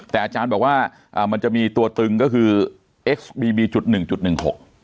แต่อาจารย์บอกว่าอ่ามันจะมีตัวตึงก็คือเอ็กซ์บีบีจุดหนึ่งจุดหนึ่งหก